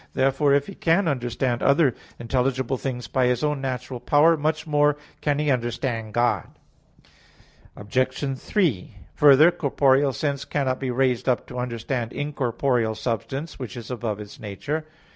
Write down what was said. Therefore, if he can understand other intelligible things by his own natural power, much more can he understand God. Obj. 3: Further, corporeal sense cannot be raised up to understand incorporeal substance, which is above its nature.